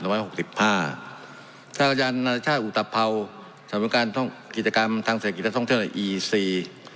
ทหารอาจารย์นาฬิชาอุตภัวร์สำรวจการกิจกรรมทางเศรษฐกิจและท่องเที่ยวในอีซี